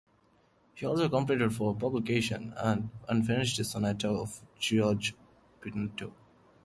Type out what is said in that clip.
He also completed for publication an unfinished sonata of George Pinto.